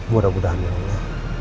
gue udah gue udah ambilnya